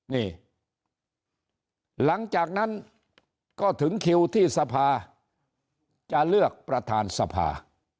นี่หลังจากนั้นก็ถึงคิวที่สภาจะเลือกประธานสภา